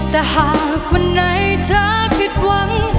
แต่หากวันไหนเธอผิดหวัง